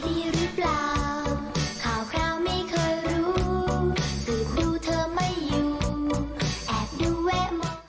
ดีหรือเปล่าคร่าวไม่เคยรู้ตื่นดูเธอไม่อยู่แอบดูแวะหมด